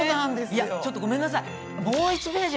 ちょっとごめんなさい。